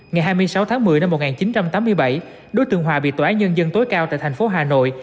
ngày hai mươi sáu tháng một mươi năm một nghìn chín trăm tám mươi bảy đối tượng hòa bị tòa án nhân dân tối cao tại thành phố hà nội